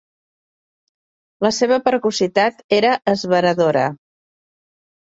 La seva precocitat era esveradora.